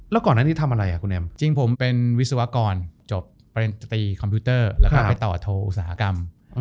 แล้วก่อนหน้านี้ทำอะไรคุณแอมจริงผมเป็นวิศวกรจบปริญตรีคอมพิวเตอร์แล้วก็ไปต่อโทรอุตสาหกรรม